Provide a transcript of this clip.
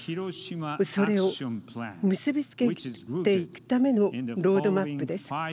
それを結びつけていくためのロードマップです。